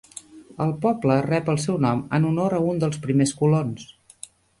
El poble rep el seu nom en honor a un dels primers colons.